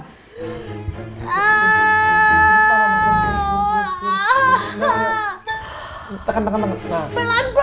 ehm minah lu tuh jangan narang narang ya